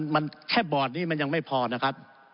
มันแค่บอร์ดนี้มันยังไม่พอนะครับ